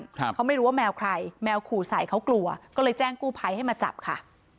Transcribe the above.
ครับเขาไม่รู้ว่าแมวใครแมวขู่ใส่เขากลัวก็เลยแจ้งกู้ภัยให้มาจับค่ะ